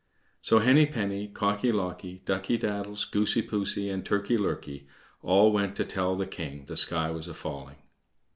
So Henny penny, Cocky locky, Ducky daddles, Goosey poosey, and Turkey lurkey all went to tell the king the sky was a falling.